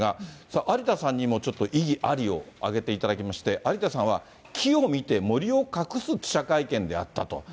さあ、有田さんにもちょっと異議ありを挙げていただきまして、有田さんは、木を見て森を隠す記者会見であったと。